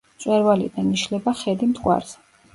მწვერვალიდან იშლება ხედი მტკვარზე.